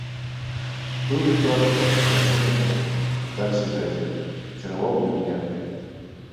Быў літаратурным супрацоўнікам рэдакцый газет, кіраваў бібліятэкай.